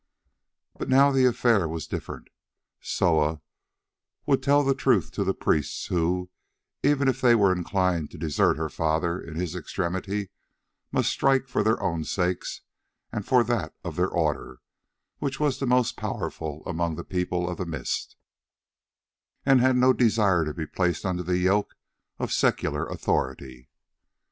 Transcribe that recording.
But now the affair was different. Soa would tell the truth to the priests, who, even if they were inclined to desert her father in his extremity, must strike for their own sakes and for that of their order, which was the most powerful among the People of the Mist, and had no desire to be placed under the yoke of secular authority.